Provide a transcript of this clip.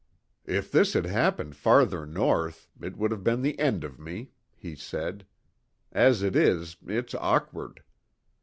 "If this had happened farther north, it would have been the end of me," he said. "As it is, it's awkward."